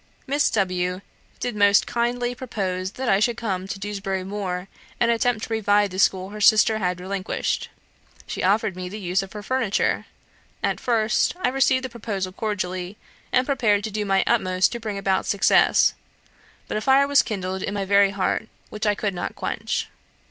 Miss W did most kindly propose that I should come to Dewsbury Moor and attempt to revive the school her sister had relinquished. She offered me the use of her furniture. At first, I received the proposal cordially, and prepared to do my utmost to bring about success; but a fire was kindled in my very heart, which I could not quench.